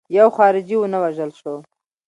یو خارجي ونه وژل شو.